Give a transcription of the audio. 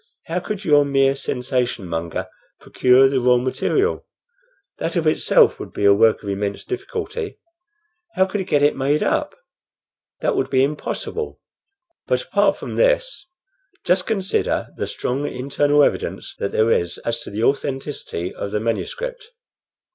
How could your mere sensation monger procure the raw material? That of itself would be a work of immense difficulty. How could he get it made up? That would be impossible. But, apart from this, just consider the strong internal evidence that there is as to the authenticity of the manuscript.